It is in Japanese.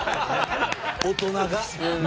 大人が。